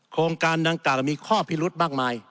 โครงการดังกล่าวมีข้อพิรุธมากมาย